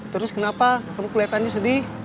terus kenapa kamu kelihatannya sedih